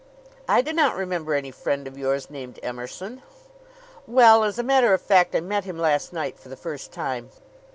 "I do not remember any friend of yours named Emerson." "Well, as a matter of fact, I met him last night for the first time.